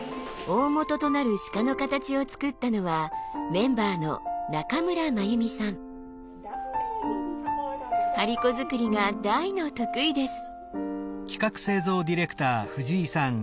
大本となる鹿の形を作ったのは張り子作りが大の得意です。